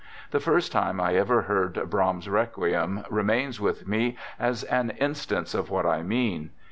The first time I ever heard Brahms' Requiem re mains with me as an instance of what I mean.